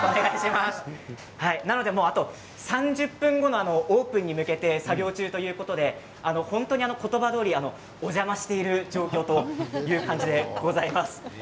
あと３０分後のオープンに向けて作業中ということで本当に言葉どおりお邪魔している状況となっています。